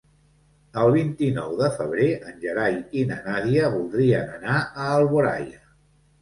El vint-i-nou de febrer en Gerai i na Nàdia voldrien anar a Alboraia.